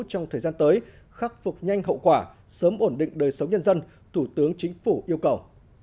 trong thời gian tới khắc phục nhanh hậu quả sớm ổn định đời sống nhân dân thủ tướng chính phủ yêu cầu